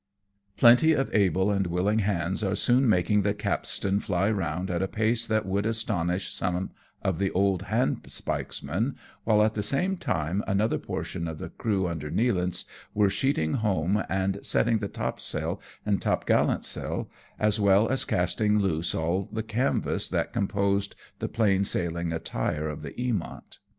Plenty of able and willing hands are soon making the capstan fly round at a pace that would astonish some of the old handspikemen, while at the same time another portion of the crew under Nealance were sheeting home and setting the top sail and top gallant saUj as well as casting loose all the canvas that composed the plain sailing attire of the Eamont.